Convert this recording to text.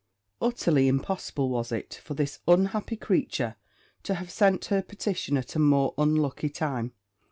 Utterly impossible was it for this unhappy creature to have sent her petition at a more unlucky time.